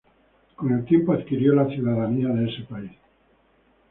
Con el tiempo, adquirió la ciudadanía de ese país.